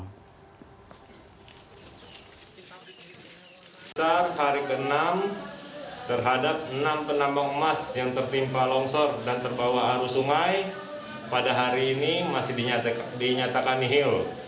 besar hari ke enam terhadap enam penambang emas yang tertimpa longsor dan terbawa arus sungai pada hari ini masih dinyatakan nihil